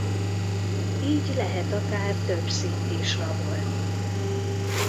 Így lehet akár több színt is rabolni.